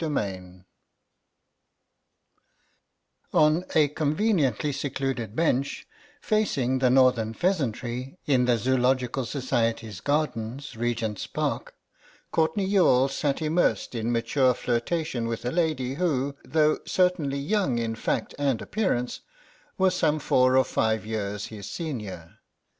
CHAPTER V ON a conveniently secluded bench facing the Northern Pheasantry in the Zoological Society's Gardens, Regent's Park, Courtenay Youghal sat immersed in mature flirtation with a lady, who, though certainly young in fact and appearance, was some four or five years his senior.